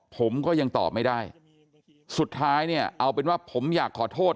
ผมก็ยังตอบไม่ได้สุดท้ายเนี่ยเอาเป็นว่าผมอยากขอโทษ